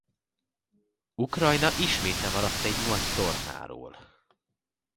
Ukrajna ismét lemaradt egy nagy tornáról.